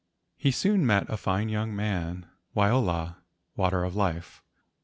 He soon met a fine young man Waiola (water of life).